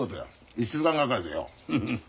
１週間がかりでよ。